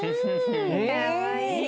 かわいい。